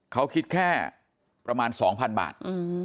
เขาคิดแค่ประมาณ๒๐๐๐บาท